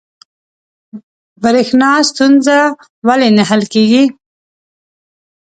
بریښنا ستونزه ولې نه حل کیږي؟